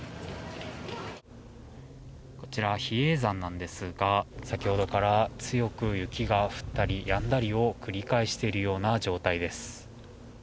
こちら、比叡山なんですが先ほどから強く雪が降ったりやんだりを繰り返しているような状態です。